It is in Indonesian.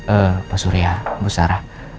eh pak surya bu sarah